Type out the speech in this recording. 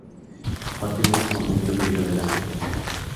A partir de ese momento vivió de la jubilación.